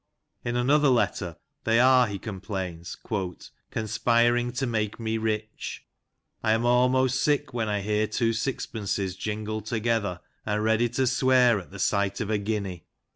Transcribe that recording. In another letter they are, he com plains, "conspiring to make me rich; I am almost sick whenl hear two sixpences jingle together, and ready to swear at the sight of a guinea.